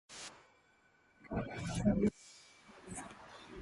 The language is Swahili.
Kumi na nne ikadumu hadi karne ya